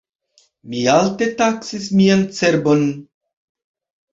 Mi alte taksis mian cerbon.